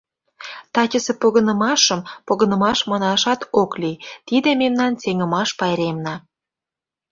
— Тачысе погынымашым погынымаш манашат ок лий, тиде мемнан сеҥымаш пайремна...